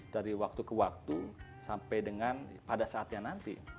dari waktu ke waktu sampai dengan pada saatnya nanti